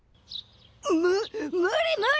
む無理無理！